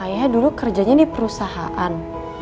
ayah dulu kerjanya di perusahaan